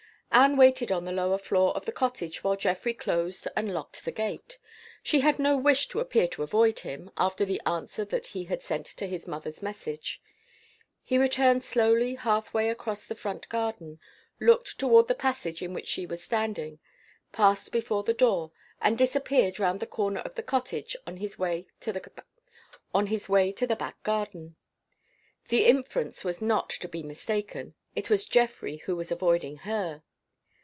Anne waited on the lower floor of the cottage while Geoffrey closed and locked the gate. She had no wish to appear to avoid him, after the answer that he had sent to his mother's message. He returned slowly half way across the front garden, looked toward the passage in which she was standing, passed before the door, and disappeared round the corner of the cottage on his way to the back garden. The inference was not to be mistaken. It was Geoffrey who was avoiding _her.